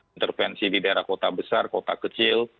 intervensi di daerah kota besar kota kecil